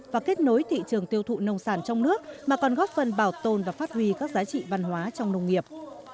và kết nối thị trường tiêu thụ nông sản trong nước mà còn góp phần bảo tồn và phát huy các giá trị văn hóa trong nông nghiệp